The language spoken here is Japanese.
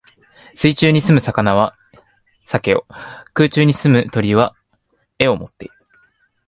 水中に棲む魚は鰭を、空中に棲む鳥は翅をもっている。